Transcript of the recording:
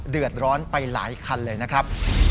เดือดร้อนไปหลายคันเลยนะครับ